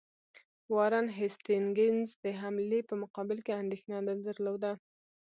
وارن هیسټینګز د حملې په مقابل کې اندېښنه نه درلوده.